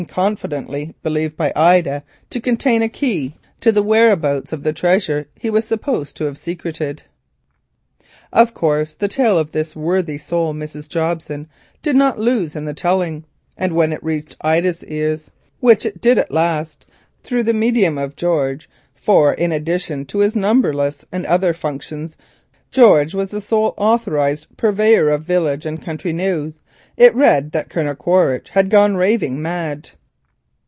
confidently believed by Ida to contain a key to the whereabouts of the treasure he was supposed to have secreted. Of course the tale of this worthy soul, Mrs. Jobson, did not lose in the telling, and when it reached Ida's ears, which it did at last through the medium of George—for in addition to his numberless other functions, George was the sole authorised purveyor of village and county news—it read that Colonel Quaritch had gone raving mad.